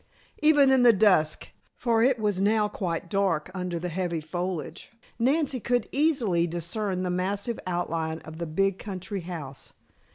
Even in the dusk, for it was now quite dark under the heavy foliage, Nancy could easily discern the massive outline of the big country house.